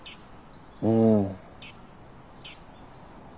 うん。